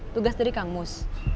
tugas dari kang mus